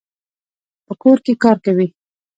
په کور کي کار کوي.